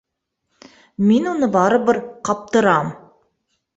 Мин уны барыбер ҡаптырам...